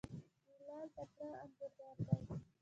بلال تکړه انځورګر دی.